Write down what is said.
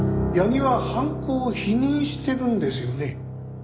八木は犯行を否認してるんですよね。